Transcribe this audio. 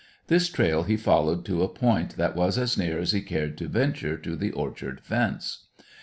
This trail he followed to a point that was as near as he cared to venture to the orchard fence.